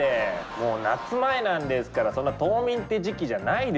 もう夏前なんですからそんな冬眠って時期じゃないですよ